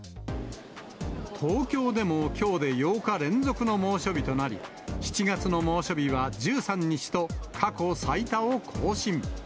東京でもきょうで８日連続の猛暑日となり、７月の猛暑日は１３日と、過去最多を更新。